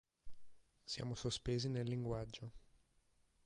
Siamo sospesi nel linguaggio.